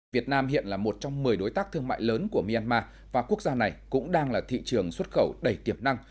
việt nam hiện là một trong một mươi đối tác thương mại lớn của myanmar và quốc gia này cũng đang là thị trường xuất khẩu đầy tiềm năng